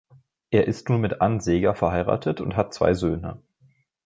Er ist nun mit Ann Sega verheiratet und hat zwei Söhne.